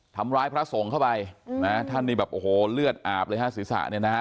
พระสงฆ์เข้าไปนะท่านนี่แบบโอ้โหเลือดอาบเลยฮะศีรษะเนี่ยนะฮะ